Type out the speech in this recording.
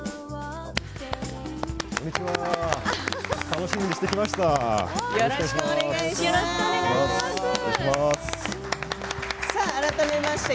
楽しみにしてきました。